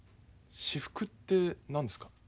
至福って何ですか？